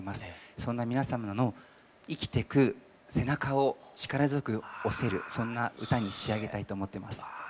そんな皆様の生きてく背中を力強く押せるそんな歌に仕上げたいと思ってます。